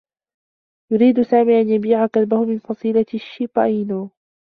يريد سامي أن يبيع كلبه من فصيلة الشّيبا إينو.